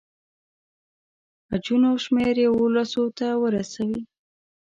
حجونو شمېر یوولسو ته ورسوي.